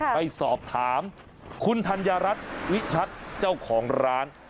ไปสอบถามคุณธัญรัฐวิชัดเจ้าของร้าน